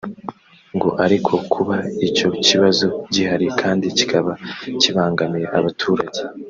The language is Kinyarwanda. ngo ariko kuba icyo kibazo gihari kandi kikaba kibangamiye abaturage